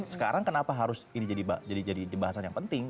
sekarang kenapa harus ini jadi pembahasan yang penting